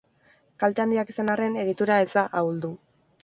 Kalte handiak izan arren, egitura ez da ahuldu.